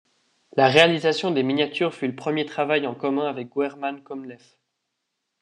La réalisation des miniatures fut le premier travail en commun avec Guerman Komlev.